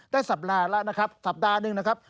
สัปดาห์แล้วนะครับสัปดาห์หนึ่งนะครับ